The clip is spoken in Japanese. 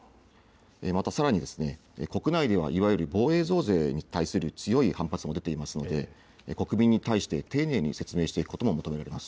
またさらにですね、国内ではいわゆる防衛増税に対する強い反発も出ていますので、国民に対して丁寧に説明していくことも求められます。